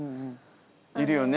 いるよね。